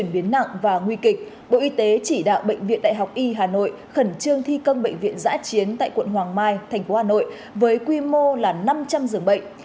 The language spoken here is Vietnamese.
bộ y tế chỉ đạo bệnh viện đại học y hà nội khẩn trương thi công bệnh viện giã chiến tại quận hoàng mai thành phố hà nội với quy mô là năm trăm linh giường bệnh